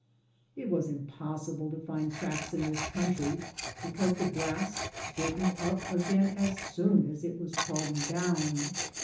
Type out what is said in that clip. It was im possible to find tracks in this country, be cause the graBs straightened up again as soon as it was trodden down.